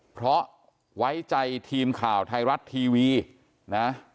เพราะไว้ใจทีมข่าวไทยรัฐทีวีนะ